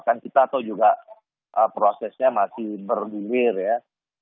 kan kita tahu juga prosesnya masih bergulir ya